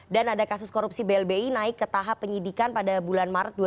dan ada kasus korupsi blbi naik ke tahap penyidikan pada bulan maret dua ribu tujuh belas